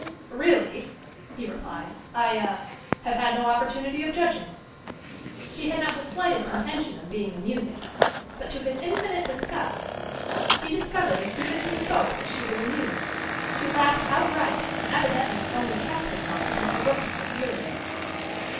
"Really," he replied, "I ah have had no opportunity of judging." He had not the slightest intention of being amusing, but to his infinite disgust he discovered as soon as he spoke that she was amused. She laughed outright, and evidently only checked herself because he looked so furious.